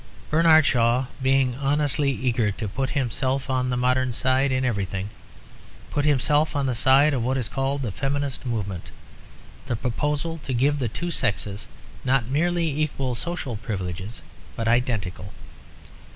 Bernard Shaw (being honestly eager to put himself on the modern side in everything) put himself on the side of what is called the feminist movement; the proposal to give the two sexes not merely equal social privileges, but identical.